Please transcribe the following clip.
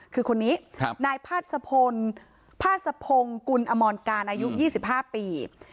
คือคนนี้ครับนายพาสภงพาสภงกุลอมรการอายุยี่สิบห้าปี